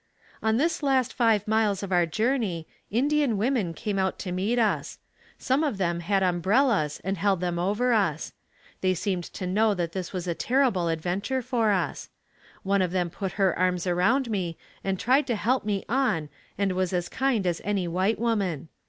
On this last five miles of our journey, Indian women came out to meet us. Some of them had umbrellas and held them over us. They seemed to know that this was a terrible adventure for us. One of them put her arms around me and tried to help me on and was as kind as any white woman.